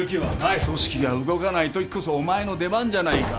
組織が動かないときこそお前の出番じゃないか。